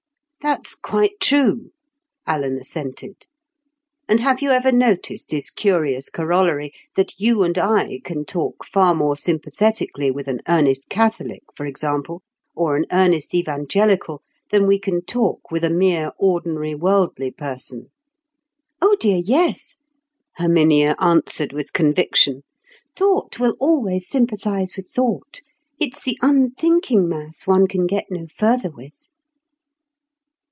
"That's quite true," Alan assented. "And have you ever noticed this curious corollary, that you and I can talk far more sympathetically with an earnest Catholic, for example, or an earnest Evangelical, than we can talk with a mere ordinary worldly person." "Oh dear, yes," Herminia answered with conviction. "Thought will always sympathise with thought. It's the unthinking mass one can get no further with."